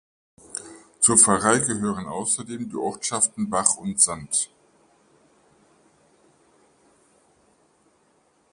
Zur Pfarrei gehören außerdem die Ortschaften Bach und Sand.